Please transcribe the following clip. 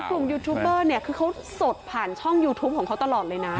ยูทูบเบอร์เนี่ยคือเขาสดผ่านช่องยูทูปของเขาตลอดเลยนะ